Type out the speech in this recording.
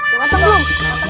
udah mateng belum